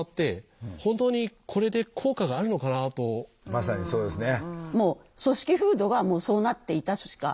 まさにそうですね。